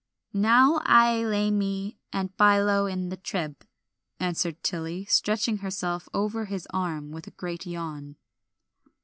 "Now I lay me and byelow in the trib," answered Tilly, stretching herself over his arm with a great yawn.